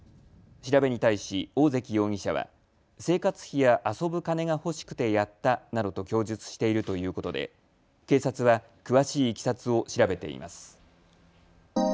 調べに対し大関容疑者は生活費や遊ぶ金が欲しくてやったなどと供述しているということで警察は詳しいいきさつを調べています。